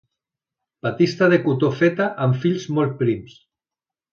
Batista de cotó feta amb fils molt prims.